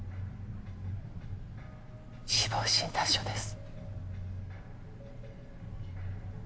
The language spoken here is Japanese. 死亡診断書です。